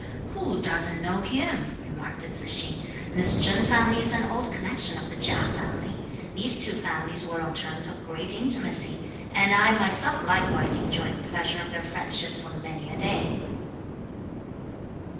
"Who doesn't know him?" remarked Tzu hsing. "This Chen family is an old connection of the Chia family. These two families were on terms of great intimacy, and I myself likewise enjoyed the pleasure of their friendship for many a day."